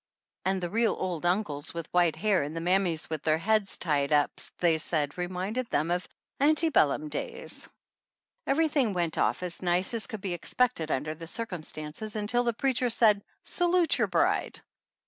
And the real old uncles with white hair and the mammies with their heads tied up they said reminded them of "Aunty Bellum days." Everything went off as nice as could be ex pected under the circumstances until the preacher said, "Salute your bride."